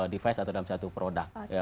device atau dalam satu produk